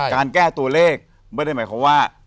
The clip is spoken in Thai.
การแก้ตัวเลขไม่ได้หมายความว่า